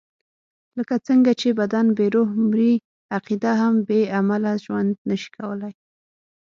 لکه څنګه چې بدن بې روح مري، عقیده هم بې عمله ژوند نشي کولای.